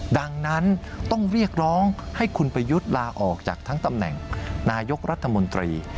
ดังนั้นต้องเรียกร้องให้คุณประยุทธ์ลาออกจากทั้งตำแหน่งนายกรัฐมนตรี